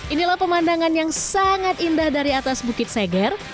inilah pemandangan yang sangat indah dari atas bukit seger